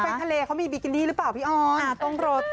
ไปทะเลเขามีบิกินี่หรือเปล่าพี่ออส